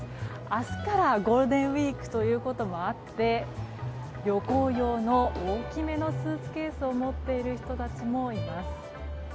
明日からゴールデンウィークということもあって旅行用の大きめのスーツケースを持っている人たちもいます。